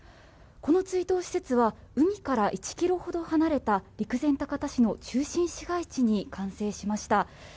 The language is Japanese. この追悼施設は海から１ｋｍほど離れた陸前高田市の中心市街地に完成しました。